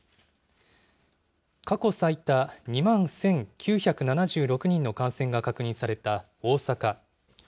過去最多２万１９７６人の感染が確認された大阪。